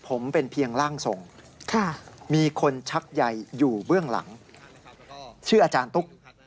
ผมเป็นเพียงร่างทรงมีคนชักใยอยู่เบื้องหลังชื่ออาจารย์ตุ๊ก